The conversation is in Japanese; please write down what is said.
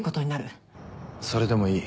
それでもいい。